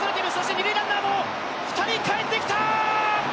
二塁ランナーも、２人帰ってきた！